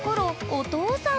お父さん。